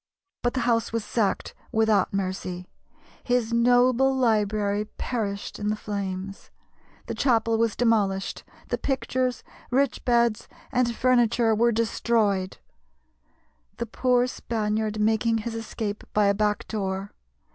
But the house was sacked without mercy; his noble library perished in the flames; the chapel was demolished; the pictures, rich beds, and furniture were destroyed, the poor Spaniard making his escape by a back door.